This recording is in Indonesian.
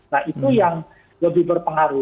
nah itu yang lebih berpengaruh